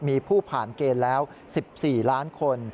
มีผู้ผ่านเกณฑ์แล้ว๑๔ล้านคน